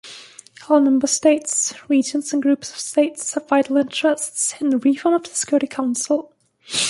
“All Member States, regions and groups of States have vital interests in the reform of the Security Council.